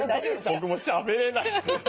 僕もうしゃべれない。